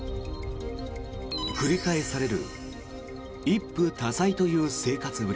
繰り返される一夫多妻という生活ぶり。